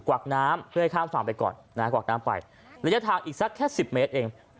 วักน้ำเพื่อให้ข้ามฝั่งไปก่อนนะฮะกวักน้ำไประยะทางอีกสักแค่สิบเมตรเอง